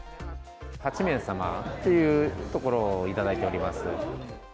８名様っていうところを頂いております。